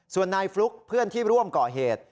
ส่วนนายฟลุ๊กเพื่อนที่ร่วมก่อเหตุ